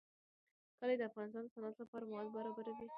کلي د افغانستان د صنعت لپاره مواد برابروي.